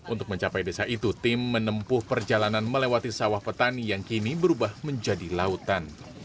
untuk mencapai desa itu tim menempuh perjalanan melewati sawah petani yang kini berubah menjadi lautan